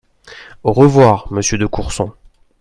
Au revoir, monsieur de Courson